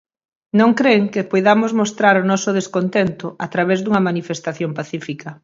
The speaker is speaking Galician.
Non cren que poidamos mostrar o noso descontento a través dunha manifestación pacífica.